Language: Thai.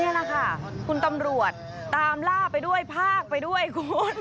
นี่แหละค่ะคุณตำรวจตามล่าไปด้วยภาคไปด้วยคุณ